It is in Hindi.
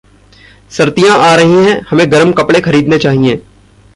सर्दियाँ आ रहीं हैं, हमें गरम कपड़े खरीदने चाहिएँ।